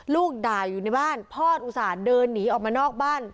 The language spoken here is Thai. ลูกด่าอยู่ในบ้านพ่ออุตส่าห์เดินหนีออกมานอกบ้าน